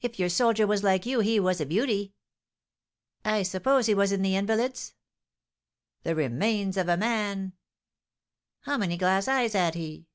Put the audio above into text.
"If your soldier was like you, he was a beauty!" "I suppose he was in the Invalids?" "The remains of a man " "How many glass eyes had he?"